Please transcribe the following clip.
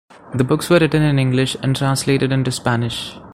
The books were written in English and translated into Spanish.